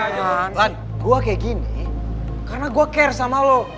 ulan gua kaya gini karena gua care sama lu